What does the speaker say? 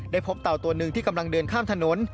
พบเต่าตัวหนึ่งที่กำลังเดินข้ามถนน